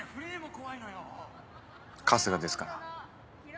春日ですから。